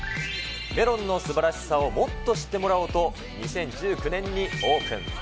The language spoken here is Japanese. メロンのすばらしさをもっと知ってもらおうと、２０１９年にオープン。